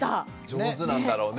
上手なんだろうね。